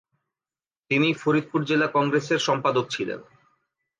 তিনি ফরিদপুর জেলা কংগ্রেসের সম্পাদক ছিলেন।